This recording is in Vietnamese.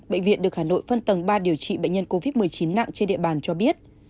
bệnh viện được hà nội phân tầng ba điều trị bệnh nhân covid một mươi chín nặng trên địa bàn cho biết